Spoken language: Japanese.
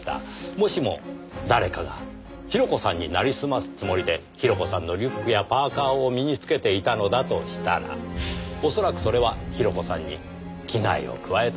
もしも誰かが広子さんになりすますつもりで広子さんのリュックやパーカーを身につけていたのだとしたらおそらくそれは広子さんに危害を加えた犯人でしょう。